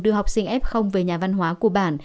đưa học sinh ép không về nhà văn hóa của bản